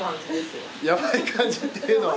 やばい感じっていうのは。